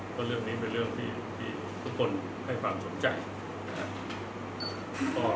เพราะเรื่องนี้เป็นเรื่องที่ทุกคนให้ความสนใจนะครับ